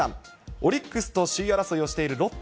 オリックスと首位争いをしているロッテ。